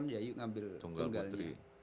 sembilan puluh delapan yayu ngambil tunggal putri